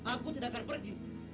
aku tidak akan pergi